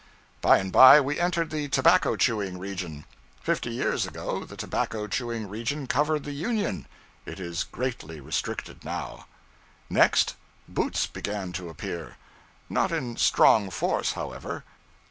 By and by, we entered the tobacco chewing region. Fifty years ago, the tobacco chewing region covered the Union. It is greatly restricted now. Next, boots began to appear. Not in strong force, however.